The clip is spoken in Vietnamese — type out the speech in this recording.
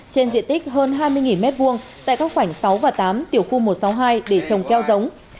trên diện tích hơn hai mươi m hai tại các khoảnh sáu và tám tiểu khu một trăm sáu mươi hai để trồng keo giống